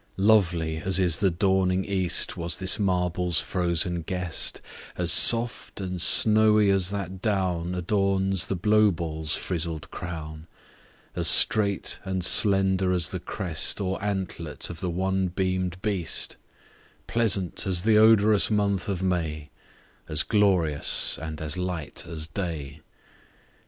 Lovely, as is the dawning East , Was this Marble's frozen Guest; As soft, and Snowy, as that Down Adorns the Blow balls frizled Crown; As straight and slender as the Crest, Or Antlet of the one beam'd Beast; Pleasant as th' odorous Month of May : As glorious, and as light as Day